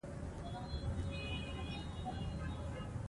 سیاسي بدلون باید د ټولنې د اړتیاوو مطابق وشي